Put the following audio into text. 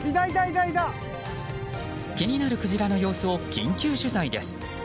気になるクジラの様子を緊急取材です。